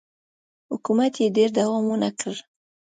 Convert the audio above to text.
حکومت یې ډېر دوام ونه کړ